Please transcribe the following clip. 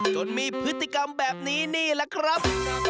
จนมีพฤติกรรมแบบนี้นี่แหละครับ